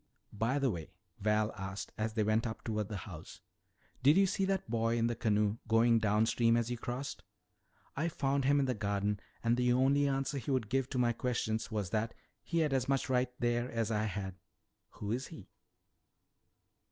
"By the way," Val asked as they went up toward the house, "did you see that boy in the canoe going downstream as you crossed? I found him in the garden and the only answer he would give to my questions was that he had as much right there as I had. Who is he?"